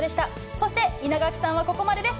そして、稲垣さんはここまでです。